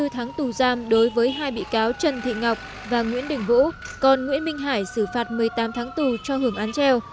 hai mươi tháng tù giam đối với hai bị cáo trần thị ngọc và nguyễn đình vũ còn nguyễn minh hải xử phạt một mươi tám tháng tù cho hưởng án treo